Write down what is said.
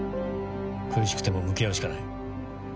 苦しくても向き合うしかない。